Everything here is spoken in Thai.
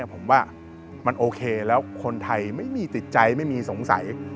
ผมว่ามันโอเคแล้วคนไทยไม่มีติดใจไม่มีสงสัย